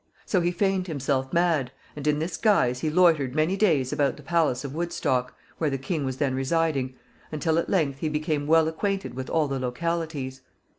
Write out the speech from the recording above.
So he feigned himself mad, and in this guise he loitered many days about the palace of Woodstock, where the king was then residing, until at length he became well acquainted with all the localities.